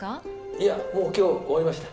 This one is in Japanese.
いやもう今日終わりました。